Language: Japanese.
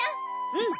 うん！